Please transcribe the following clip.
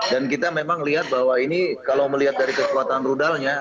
dan kita memang lihat bahwa ini kalau melihat dari kekuatan rudalnya